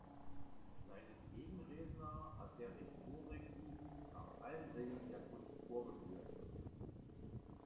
Seinen Gegenredner hat der Rhetorik-Guru nach allen Regeln der Kunst vorgeführt.